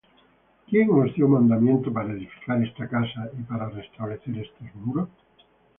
¿Quién os dió mandameinto para edificar esta casa, y para restablecer estos muros?